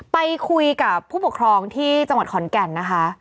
ไปคุยกับผู้ปกครองที่จังหวัดขอนแก่นนะคะ